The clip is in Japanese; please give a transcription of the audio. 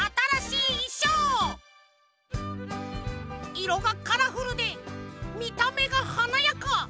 いろがカラフルでみためがはなやか！